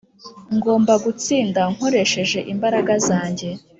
Ngomba gutsinda nkoresheje imbaraga zanjye